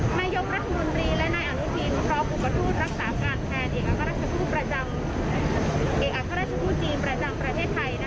นายกรัฐมนตรีและนายอนุทีมพร้อมกลุ่มกระทุนรักษาการแทนอีกอักษรชนุกจีนประจำประเทศไทย